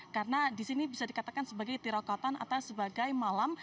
karena di sini bisa dikatakan sebagai tirau kata atau sebagai malam